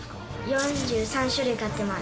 ４３種類飼ってます。